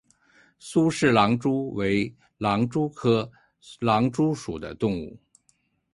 苏氏狼蛛为狼蛛科狼蛛属的动物。